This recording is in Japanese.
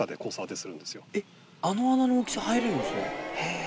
あの穴の大きさ入れるんすね。